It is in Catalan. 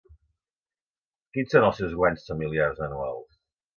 Quins són els seus guanys familiars anuals?